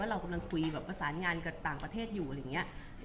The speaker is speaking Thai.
เรากำลังคุยแบบประสานงานกับต่างประเทศอยู่อะไรอย่างนี้